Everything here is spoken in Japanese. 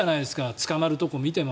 捕まるところを見ても。